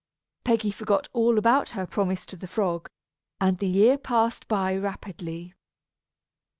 Peggy forgot all about her promise to the frog, and the year passed by rapidly.